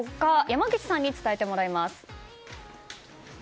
山岸さんに伝えてもらいます。